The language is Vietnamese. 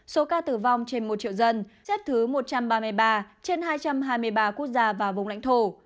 số ca tử vong trên một triệu dân xếp thứ một trăm ba mươi ba trên hai trăm hai mươi ba quốc gia và vùng lãnh thổ